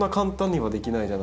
はい。